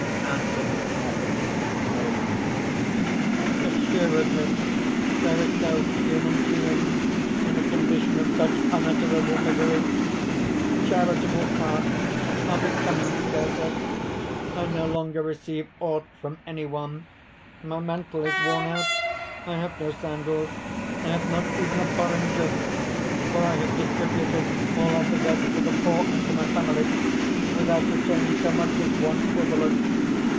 (Anthony slackens his pace.) "Assuredly there is no human being in a condition of such unutterable misery! Charitable hearts are becoming scarcer. I no longer receive aught from any one. My mantle is worn out. I have no sandals I have not even a porringer! for I have distributed all I possessed to the poor and to my family, without retaining so much as one obolus.